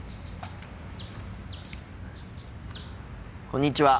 こんにちは。